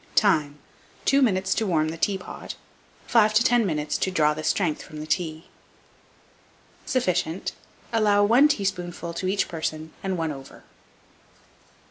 Time. 2 minutes to warm the teapot, 5 to 10 minutes to draw the strength from the tea. Sufficient. Allow 1 teaspoonful to each person, and one over.